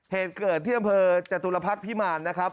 เหตุเกิดที่อำเภอจตุลพักษ์พิมารนะครับ